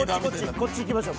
こっちいきましょう。